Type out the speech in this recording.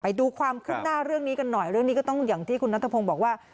ไปดูความขึ้นหน้าเรื่องนี้กันหน่อยเรื่องนี้ก็ต้องอย่างที่คุณนัทพงศ์บอกว่า